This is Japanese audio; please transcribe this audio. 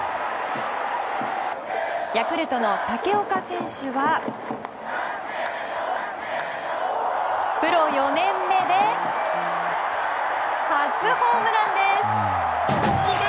ヤクルトの武岡選手はプロ４年目で初ホームランです。